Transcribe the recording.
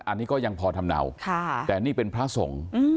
อันนี้ก็ยังพอทำเนาแต่นี่เป็นพระสงฆ์